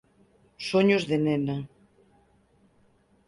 Soños de nena